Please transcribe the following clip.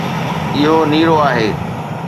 اهو نيرو آهي